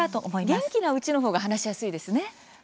元気なうちの方が話しやすいですね。